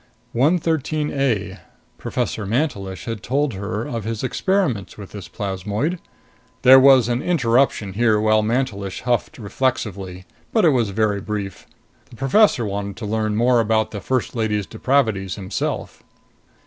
113 A: Professor Mantelish had told her of his experiments with this plasmoid There was an interruption here while Mantelish huffed reflexively. But it was very brief. The professor wanted to learn more about the First Lady's depravities himself.